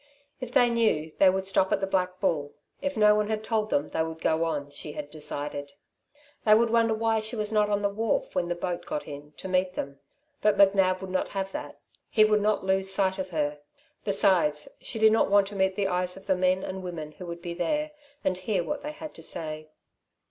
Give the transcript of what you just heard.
If they knew, they would stop at the Black Bull; if no one had told them they would go on, she had decided. They would wonder why she was not on the wharf when the boat got in, to meet them. But McNab would not have that. He would not lose sight of her. Besides she did not want to meet the eyes of the men and women who would be there, and hear what they had to say.